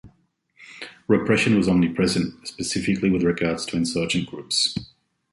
Repression was omnipresent - specifically with regards to insurgent groups.